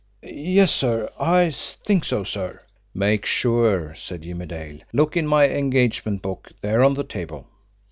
"Yes, sir; I think so, sir." "Make sure!" said Jimmie Dale. "Look in my engagement book there on the table."